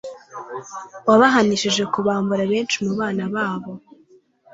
wabahanishije kubambura benshi mu bana babo